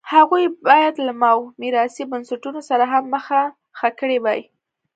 هغوی باید له ماوو میراثي بنسټونو سره هم مخه ښه کړې وای.